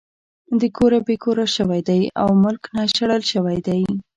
د کوره بې کوره شوے دے او ملک نه شړلے شوے دے